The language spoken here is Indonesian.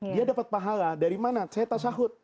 dia dapat pahala dari mana saya tasahut